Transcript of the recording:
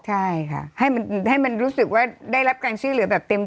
ใช่ค่ะให้มันรู้สึกว่าได้รับการช่วยเหลือแบบเต็ม